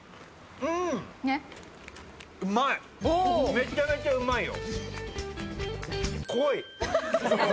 めちゃめちゃうまいよ！